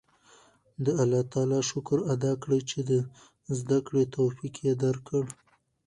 د الله تعالی شکر ادا کړئ چې د زده کړې توفیق یې درکړ.